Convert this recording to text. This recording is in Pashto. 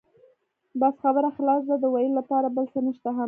بس خبره خلاصه ده، د وېلو لپاره بل څه شته هم نه.